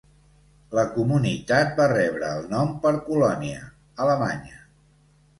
La comunitat va rebre el nom per Colònia, Alemanya.